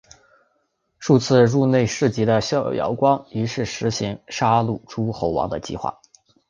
数次入内侍疾的萧遥光于是施行杀戮诸侯王的计划。